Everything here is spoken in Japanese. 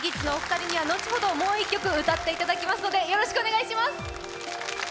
ＫｉｎＫｉＫｉｄｓのお二人には後ほどもう一曲歌っていただきますのでよろしくお願いします。